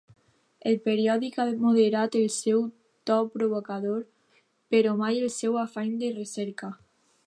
El periòdic ha moderat el seu to provocador, però mai el seu afany de recerca.